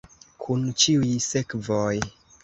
Kun ĉiuj sekvoj.